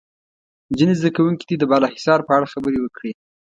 ځینې زده کوونکي دې د بالا حصار په اړه خبرې وکړي.